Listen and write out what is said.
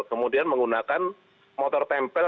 kemudian menggunakan motor tempel